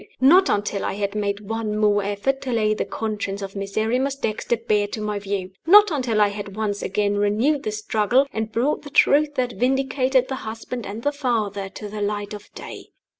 not until I had made one more effort to lay the conscience of Miserrimus Dexter bare to my view! not until I had once again renewed the struggle, and brought the truth that vindicated the husband and the father to the light of day!